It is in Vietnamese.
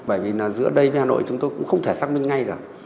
bởi vì là giữa đây với hà nội chúng tôi cũng không thể xác minh ngay được